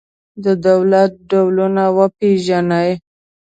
د دولت ډولونه وپېژنئ.